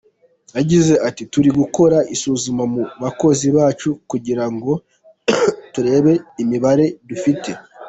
Yagize ati “Turi gukora isuzuma mu bakozi bacu kugira ngo turebe neza imibare dufite.